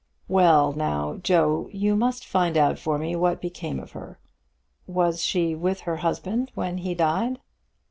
"Well now, Joe, you must find out for me what became of her. Was she with her husband when he died?"